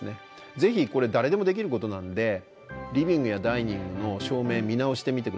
ぜひこれ誰でもできることなんでリビングやダイニングの照明見直してみて下さい。